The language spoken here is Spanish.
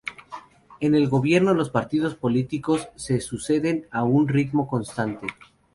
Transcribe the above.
En el gobierno, los partidos políticos se suceden a un ritmo constante.